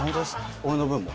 俺の分も？